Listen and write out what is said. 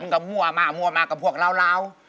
ก็มั่วมากกับพวกเหล้า